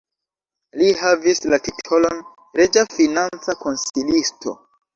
Li havis la titolon reĝa financa konsilisto.